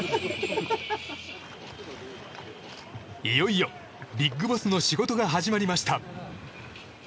いよいよ、ビッグボスの仕事が始まりました。